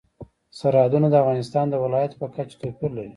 سرحدونه د افغانستان د ولایاتو په کچه توپیر لري.